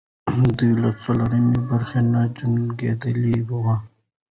دوی له څلورمې برخې نه جنګېدلې وو.